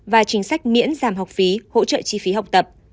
và chính sách miễn giảm học phí hỗ trợ chi phí học tập